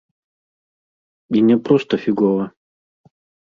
І не проста фігова.